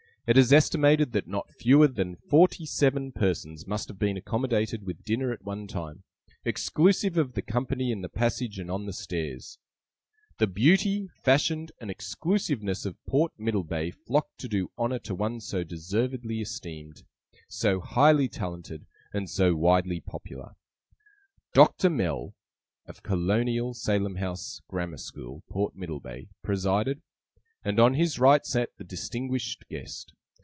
It is estimated that not fewer than forty seven persons must have been accommodated with dinner at one time, exclusive of the company in the passage and on the stairs. The beauty, fashion, and exclusiveness of Port Middlebay, flocked to do honour to one so deservedly esteemed, so highly talented, and so widely popular. Doctor Mell (of Colonial Salem House Grammar School, Port Middlebay) presided, and on his right sat the distinguished guest.